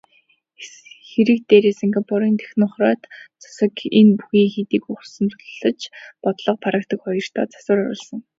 Хэрэг дээрээ Сингапурын технократ засаг энэ бүхнийг хэдийн ухамсарлаж бодлого, практик хоёртоо засвар оруулсан.